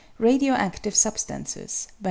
RADIO ACTIVE SUBSTANCES.* By Mdme.